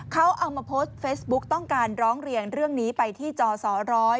เขาเอามาโพสต์เฟซบุ๊กต้องการร้องเรียนเรื่องนี้ไปที่จอสอร้อย